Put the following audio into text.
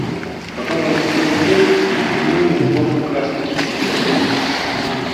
Потом он открыл дверь и протянул мне новую красную тридцатирублевку.